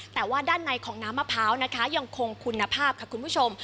แต่ว่าด้านในของน้ำมะพร้าวนะคะยังคงคุณภาพค่ะคุณผู้ชม